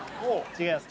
違います